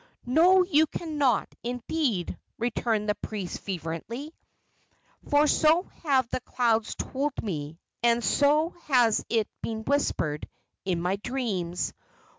"No; you cannot, indeed!" returned the priest, fervently; "for so have the clouds told me, and so has it been whispered in my dreams.